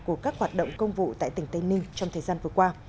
của các hoạt động công vụ tại tỉnh tây ninh trong thời gian vừa qua